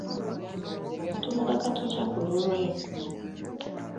Tumuleka tutya ku lulwe?